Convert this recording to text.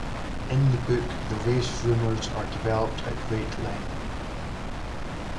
In the book, the race rumors are developed at great length.